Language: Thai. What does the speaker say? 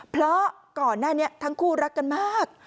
เพราะก่อนหน้านี้ทั้งคู่รักกันมาก